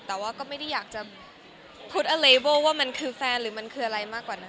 แต่ว่าก็ไม่ได้อยากจะพูดอะไรเวิลว่ามันคือแฟนหรือมันคืออะไรมากกว่านั้น